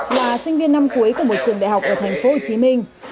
là sinh viên năm cuối của một trường đại học ở thành phố hồ chí minh